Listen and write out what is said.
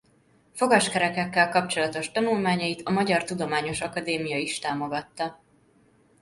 Fogaskerekekkel kapcsolatos tanulmányait a Magyar Tudományos Akadémia is támogatta.